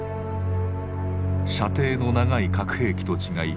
射程の長い核兵器と違い